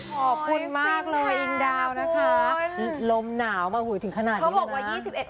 ขอบคุณค่ะทุกคนรวมหนาวมาถึงขนาดนี้เลยนะ